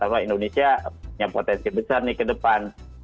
karena indonesia punya potensi besar nih ke depan